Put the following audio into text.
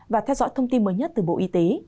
và theo dõi thông tin mới nhất từ bộ y tế